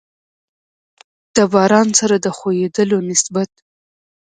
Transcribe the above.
د باران سره د خوييدلو نسبت